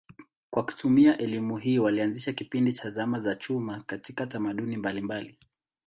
Kwa kutumia elimu hii walianzisha kipindi cha zama za chuma katika tamaduni mbalimbali.